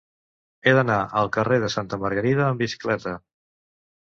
He d'anar al carrer de Santa Margarida amb bicicleta.